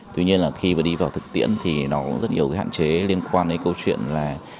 tuy nhiên khi đi vào thực tiễn thì nó cũng rất nhiều hạn chế liên quan đến câu chuyện là